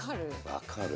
分かる。